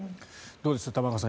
どうです、玉川さん